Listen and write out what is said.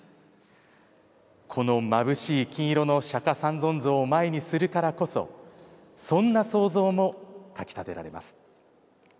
このまぶしい金色の釈三尊像を前にするからこそそんな想像もかき立てられます。